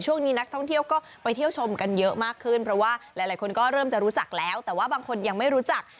ช่วงนี้นักท่องเที่ยวก็ไปเที่ยวชมกันเยอะมากขึ้นเพราะว่าหลายคนก็เริ่มจะรู้จักแล้วแต่ว่าบางคนยังไม่รู้จัก